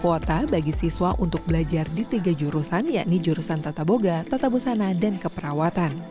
kota bandung memiliki tujuh puluh dua kuota bagi siswa untuk belajar di tiga jurusan yakni jurusan tata boga tata busana dan keperawatan